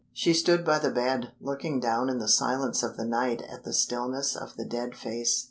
She stood by the bed, looking down in the silence of the night at the stillness of the dead face.